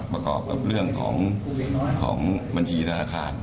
ประกอบกับเรื่องของบัญชีธนาคาร